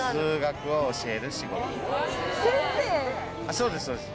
そうですそうです。